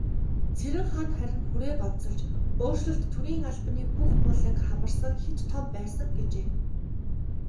Цэрэнханд харин хүрээг онцолж, "өөрчлөлт төрийн албаны бүх буланг хамарсан хэт том байсан" гэжээ.